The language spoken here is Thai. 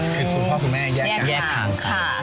คุณพ่อคุณแม่แยกทาง